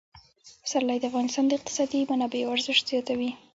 پسرلی د افغانستان د اقتصادي منابعو ارزښت زیاتوي.